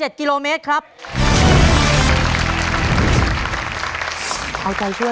น้องป๋องเลือกเรื่องระยะทางให้พี่เอื้อหนุนขึ้นมาต่อชีวิต